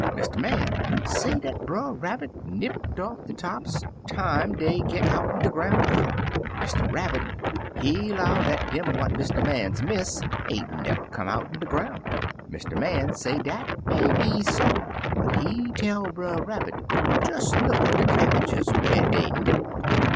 Mr. Man say dat Brer Rabbit nipped off de tops time dey git out'n de groim' good. Mr. Rabbit, he 'low, dat dem what Mr. Man miss ain't never come out'n de groun'. Mr. Man say dat may be so, but he tell Brer Rabbit to des look at de cabbages, whar dey nibbled.